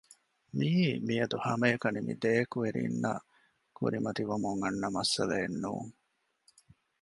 މިއީ މިއަދު ހަމައެކަނި މި ދެ އެކުވެރީންނަށް ކުރިމަތިވަމުން އަންނަ މައްސަލައެއް ނޫން